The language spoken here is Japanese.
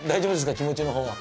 気持ちのほうは。